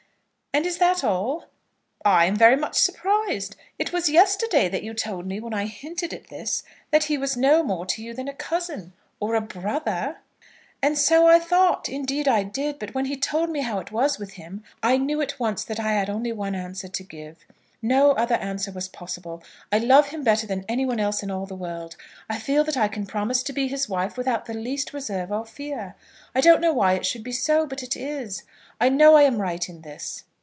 "And is that all?" "I am very much surprised. It was yesterday that you told me, when I hinted at this, that he was no more to you than a cousin, or a brother." "And so I thought; indeed I did. But when he told me how it was with him, I knew at once that I had only one answer to give. No other answer was possible. I love him better than anyone else in all the world. I feel that I can promise to be his wife without the least reserve or fear. I don't know why it should be so; but it is. I know I am right in this."